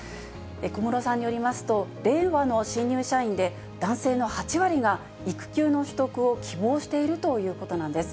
小室さんによりますと、令和の新入社員で、男性の８割が育休の取得を希望しているということなんです。